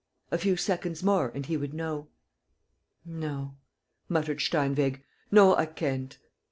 ... A few seconds more and he would know. ... "No," muttered Steinweg, "no, I can't.